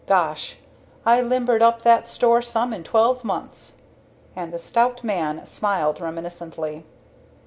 Gosh! I limbered up that store some in twelve months!" And the stout man smiled reminiscently.